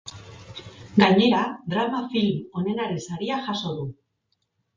Gainera, drama film onenari saria jaso du.